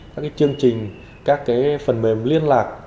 các chương trình các phần mềm liên lạc